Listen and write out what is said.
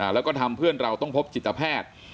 แล้วก็ทำเพื่อนเราต้องพบจิตแพทย์